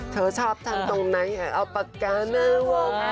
เธอชอบด้วยไหนเอาปากกามะวง